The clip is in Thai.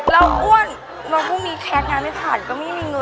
แล้วอ้วนวันพรุ่งนี้แคทงานไม่ผ่านก็ไม่มีเงิน